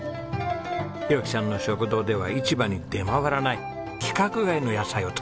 浩樹さんの食堂では市場に出回らない規格外の野菜を使ってますからね。